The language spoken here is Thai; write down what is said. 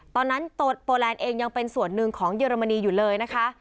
ตอนนั้นโปแลนด์เองยังเป็นส่วนหนึ่งของเยอรมนีอยู่เลยนะคะ